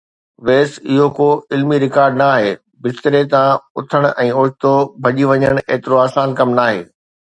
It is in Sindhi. ويس، اهو ڪو علمي رڪارڊ نه آهي، بستري تان اٿڻ ۽ اوچتو ڀڄي وڃڻ ايترو آسان ڪم ناهي.